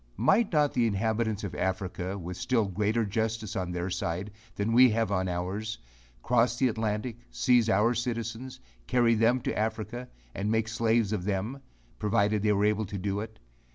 Might not the inhabitants of Africa, with still greater justice on their side, than we have on ours, cross the Atlantic, seize our citizens, carry them into Africa, and make slaves of them, provided they were able to do it?